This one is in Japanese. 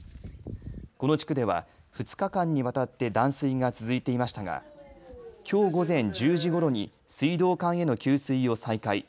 この地区では２日間にわたって断水が続いていましたがきょう午前１０時ごろに水道管への給水を再開。